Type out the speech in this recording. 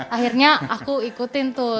akhirnya aku ikutin tuh